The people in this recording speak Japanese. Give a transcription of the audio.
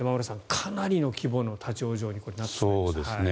かなりの規模の立ち往生になってしまいました。